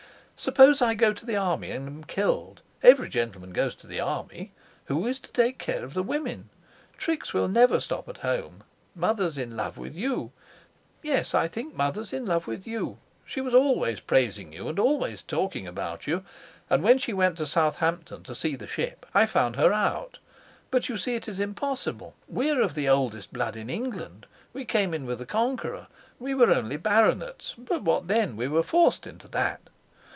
"Suppose I go to the army and am killed every gentleman goes to the army who is to take care of the women? Trix will never stop at home; mother's in love with you, yes, I think mother's in love with you. She was always praising you, and always talking about you; and when she went to Southampton, to see the ship, I found her out. But you see it is impossible: we are of the oldest blood in England; we came in with the Conqueror; we were only baronets, but what then? we were forced into that.